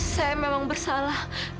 saya memang bersalah